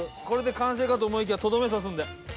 これで完成かと思いきやとどめ刺すんで。